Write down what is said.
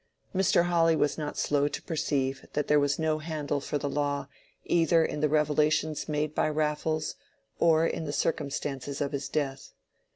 Mr. Hawley was not slow to perceive that there was no handle for the law either in the revelations made by Raffles or in the circumstances of his death.